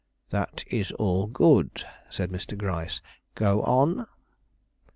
"That is all good," said Mr. Gryce; "go on."